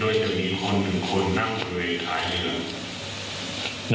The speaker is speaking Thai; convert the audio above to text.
โดยจะมีคนหนึ่งคนนั่งบริเวณท้ายเรือ